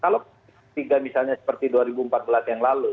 kalau tiga misalnya seperti dua ribu empat belas yang lalu